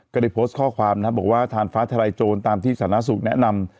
ก็ได้โพสต์ข้อความนะครับบอกว่าทานฟ้าทลายโจรตามที่สาธารณสุขแนะนำ